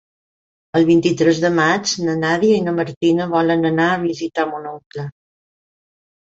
El vint-i-tres de maig na Nàdia i na Martina volen anar a visitar mon oncle.